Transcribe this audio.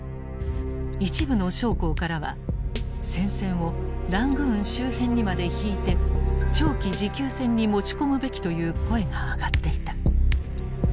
一部の将校からは戦線をラングーン周辺にまで引いて長期持久戦に持ち込むべきという声が上がっていた。